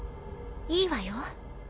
いいわよ。